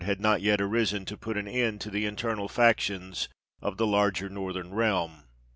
had not yet arisen to put an end to the internal factions of the larger Northern realm.